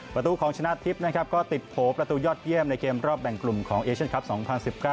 ประตูของชนะทิพย์นะครับก็ติดโผล่ประตูยอดเยี่ยมในเกมรอบแบ่งกลุ่มของเอเชียนคลับ๒๐๑๙